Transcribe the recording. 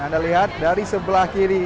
anda lihat dari sebelah kiri